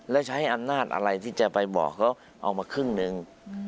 แล้วใช้อำนาจอะไรที่จะไปบอกเขาเอามาครึ่งหนึ่ง